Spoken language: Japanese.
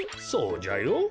そうじゃよ。